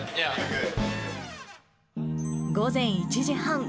午前１時半。